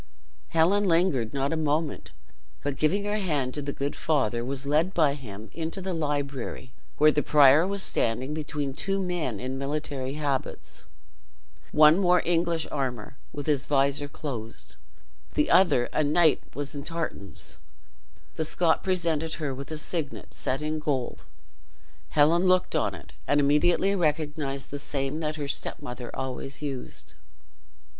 Helen lingered not a moment, but giving her hand to the good father, was led by him into the library, where the prior was standing between two men in military habits. One wore English armor, with his visor closed; the other, a knight, was in tartans. The Scot presented her with a signet, set in gold. Helen looked on it, and immediately recognized the same that her stepmother always used.